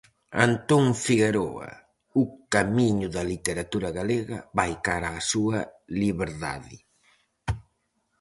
Antón Figueroa: "O camiño da literatura galega vai cara á súa liberdade".